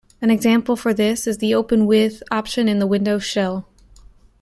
An example for this is the "Open With" option in the Windows Shell.